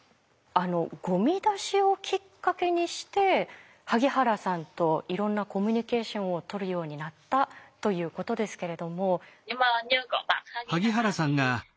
ゴミ出しをきっかけにして萩原さんといろんなコミュニケーションを取るようになったということですけれども。